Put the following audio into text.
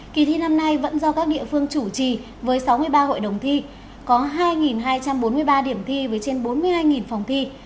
kỳ thi năm nay vẫn do các địa phương chủ trì với sáu mươi ba hội đồng thi có hai hai trăm bốn mươi ba điểm thi với trên bốn mươi hai phòng thi